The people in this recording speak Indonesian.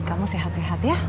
kamu sehat sehat ya